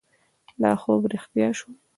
دا خوب رښتیا شو.